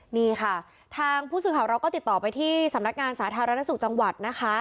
นี่ค่ะทางผู้สื่อข่าวเราก็ติดต่อไปที่สำนักงานสาธารณสุขจังหวัดนะคะ